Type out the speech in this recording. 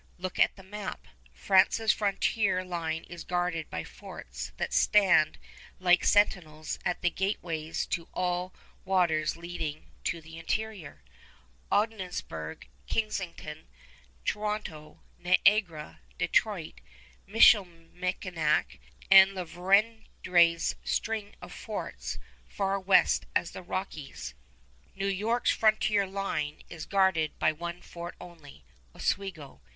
Look at the map. France's frontier line is guarded by forts that stand like sentinels at the gateways of all waters leading to the interior, Ogdensburg, Kingston, Toronto, Niagara, Detroit, Michilimackinac, and La Vérendrye's string of forts far west as the Rockies. New York's frontier line is guarded by one fort only, Oswego.